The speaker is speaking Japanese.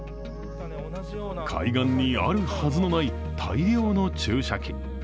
海岸にあるはずのない大量の注射器。